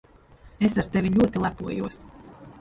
Es ar tevi ļoti lepojos.